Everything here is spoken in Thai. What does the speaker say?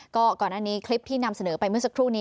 ก็ก่อนหน้านี้คลิปที่นำเสนอไปเมื่อสักครู่นี้